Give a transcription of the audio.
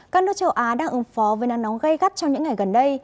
các nước châu á đang ứng phó với nắng nóng gây gắt trong những ngày gần đây